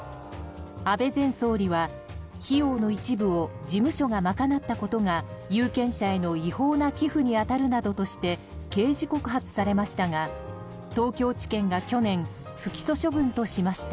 安倍前総理は費用の一部を事務所が賄ったことが有権者への違法な寄付に当たるなどとして刑事告発されましたが東京地検が去年、不起訴処分としました。